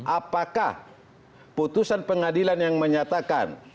apakah putusan pengadilan yang menyatakan